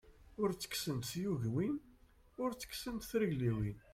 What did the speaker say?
Ur tekksent tyugiwin, ur tekksent trigliwin.